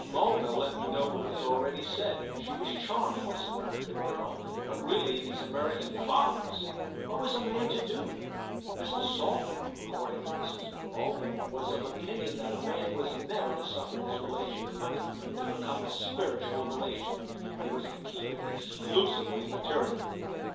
Mulville let me know what was already said: she was charming, this American girl, but really these American fathers—! What was a man to do? Mr. Saltram, according to Mrs. Mulville, was of opinion that a man was never to suffer his relation to money to become a spiritual relation—he was to keep it exclusively material.